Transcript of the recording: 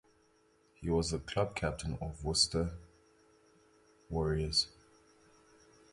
He was the club captain of Worcester Warriors.